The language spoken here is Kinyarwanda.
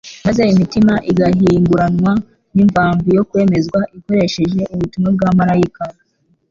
maze imitima igahinguranywa n'imvambi yo kwemezwa ikoresheje ubutumwa bw'abamalayika